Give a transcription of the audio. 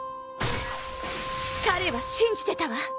彼は信じてたわ。